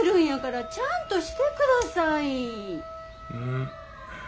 ん。